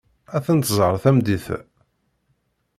Ad ten-tẓer tameddit-a.